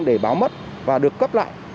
để báo mất và được cấp lại